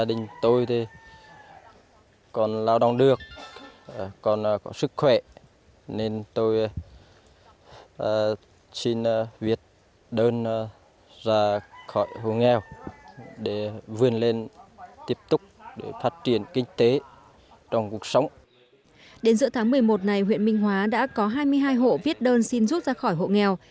đến giữa tháng một mươi một này huyện minh hóa đã có hai mươi hai hộ viết đơn xin rút ra khỏi hộ nghèo